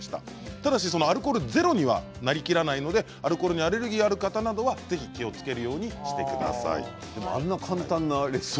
ただし、アルコールゼロにはなりきらないのでアルコールにアレルギーがある方などは気をつけるようにしてください。